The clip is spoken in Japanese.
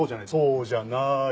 そうじゃない。